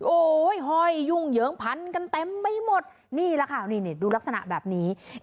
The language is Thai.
โอ้ยยุ่งเหยิงผันกันเต็มไม่หมดนี่แหละค่ะดูลักษณะแบบนี้